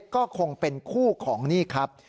ก็คงเป็นคู่ของนี่ครับ